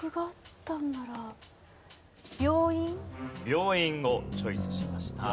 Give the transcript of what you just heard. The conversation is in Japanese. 病院をチョイスしました。